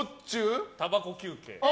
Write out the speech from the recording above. たばこ休憩。